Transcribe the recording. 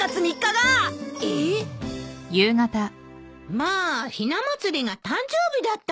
まあひな祭りが誕生日だったの。